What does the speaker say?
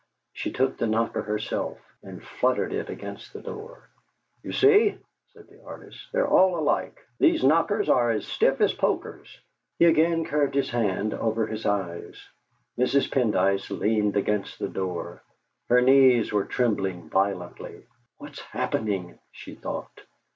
She took the knocker herself, and fluttered it against the door. "You see," said the artist, "they're all alike; these knockers are as stiff as pokers." He again curved his hand over his eyes. Mrs. Pendyce leaned against the door; her knees were trembling violently. '.hat is happening?' she thought.